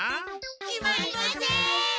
決まりません！